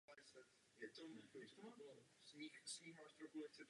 Okamžik slunečního poledne závisí také na zeměpisné délce místa.